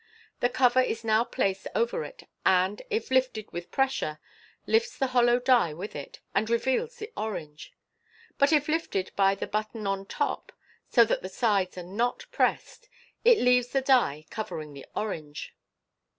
The cover is now placed over it, and, if lifted with pressure, lifts the hollow die with it, and reveals the orange ; but if lifted by the button on top, so that the sides are not pressed, it leaves the die covering the orange.